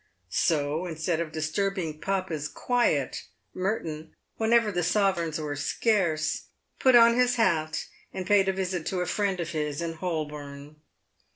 So, instead of disturbing papa's quiet, Merton, whenever the sovereigns were scarce, put on his hat, and paid a visit to a friend of his in Holborn.